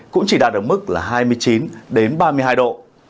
cũng chỉ đạt được mức là hai mươi chín ba mươi hai độ